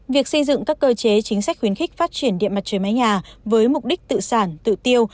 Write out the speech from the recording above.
việc xây dựng các cơ chế chính sách khuyến khích phát triển điện mặt trời mái nhà với mục đích tự sản tự tiêu